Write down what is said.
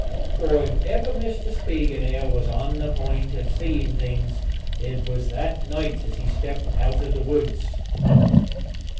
For if ever Mr. Spiegelnail was on the point of seeing things it was that night as he stepped out of the woods.